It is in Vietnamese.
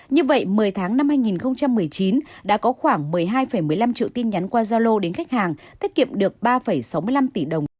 như vậy một mươi tháng năm hai nghìn một mươi chín đã có khoảng một mươi hai một mươi năm triệu tin nhắn qua giao lô đến khách hàng tiết kiệm được ba sáu mươi năm tỷ đồng